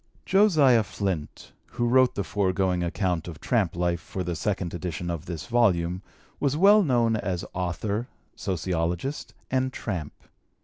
"Josiah Flynt" who wrote the foregoing account of tramp life for the second edition of this volume, was well known as author, sociologist, and tramp.